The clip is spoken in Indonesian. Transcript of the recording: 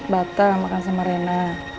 bata makan sama rena